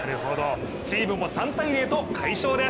チームも３−０と快勝です。